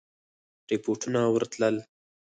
رپوټونه ورتلل.